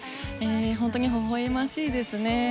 本当に微笑ましいですね。